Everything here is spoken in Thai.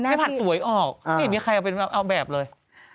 ถ้าพัดสวยออกไม่มีใครเอาแบบเลย